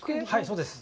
そうです。